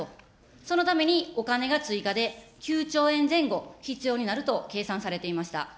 そのためにお金が追加で９兆円前後、必要になると計算されていました。